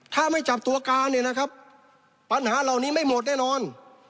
ถ้าไม่จับตัวการเนี่ยนะครับปัญหาเหล่านี้ไม่หมดแน่นอน